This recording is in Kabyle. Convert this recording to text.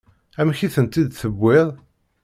Amek i tent-id-tewwiḍ?